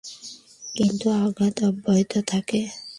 কিন্তু আঘাত অব্যাহত থাকে।